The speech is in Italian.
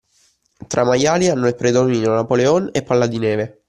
Tra i maiali hanno il predominio Napoleon e Palla di Neve